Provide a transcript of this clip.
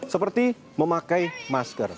seperti memakai masker